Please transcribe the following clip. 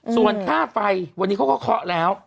ส่วนค่าไฟวันนี้เขาก็เคาะแล้ว